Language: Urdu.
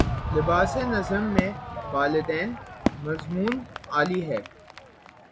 لباسِ نظم میں بالیدنِ مضمونِ عالی ہے